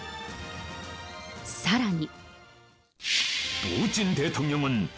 さらに。